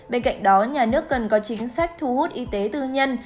bên cạnh đó nhà nước cần có chính sách thu hút y tế tư nhân